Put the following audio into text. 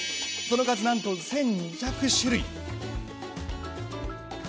その数なんと１２００種類。